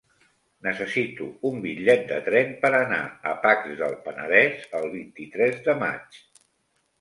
Necessito un bitllet de tren per anar a Pacs del Penedès el vint-i-tres de maig.